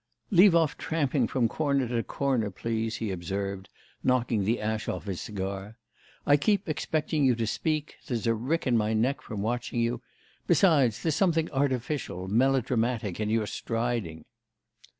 'Leave off tramping from corner to corner, please,' he observed, knocking the ash off his cigar. 'I keep expecting you to speak; there's a rick in my neck from watching you. Besides, there's something artificial, melodramatic in your striding.